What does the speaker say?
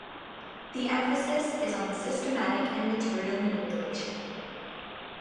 The emphasis is on systematic material manipulation.